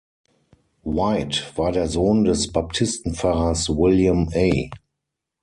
White war der Sohn des Baptistenpfarrers William A.